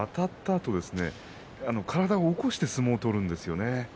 あと体を起こして相撲を取るんですよね。